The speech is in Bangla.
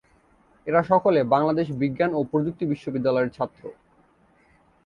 এরা সকলে বাংলাদেশ বিজ্ঞান ও প্রযুক্তি বিশ্ববিদ্যালয়ের ছাত্র।